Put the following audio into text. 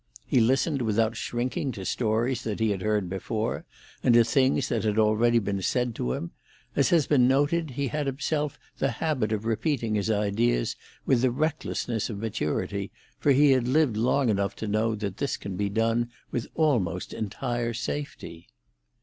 He listened without shrinking to stories that he had heard before, and to things that had already been said to him; as has been noted, he had himself the habit of repeating his ideas with the recklessness of maturity, for he had lived long enough to know that this can be done with almost entire safety.